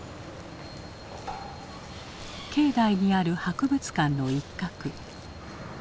境内にある博物館の一角。